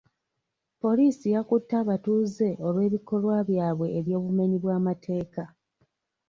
Poliisi yakutte abatuuze olw'ebikolwa byabwe eby'obumenyi bw'amateeka.